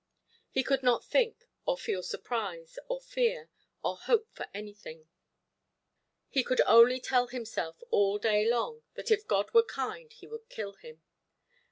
He could not think, or feel surprise, or fear, or hope for anything; he could only tell himself all day long, that if God were kind He would kill him.